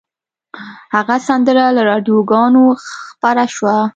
هغه سندره له راډیوګانو خپره شوه